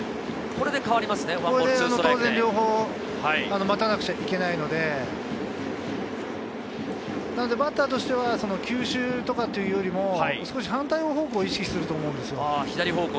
これで両方待たなくちゃいけないので、バッターとしては球種とかというよりも、少し反対方向を意識すると思うんですよ。